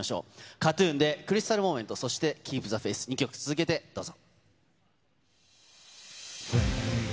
ＫＡＴーＴＵＮでＣＲＹＳＴＡＬＭＯＭＥＮＴ、そしてＫｅｅｐｔｈｅｆａｉｔｈ、２曲続けてどうぞ。